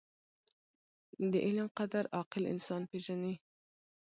• د علم قدر، عاقل انسان پېژني.